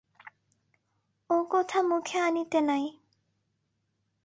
ও-কথা মুখে আনিতে নাই।